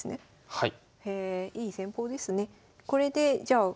はい。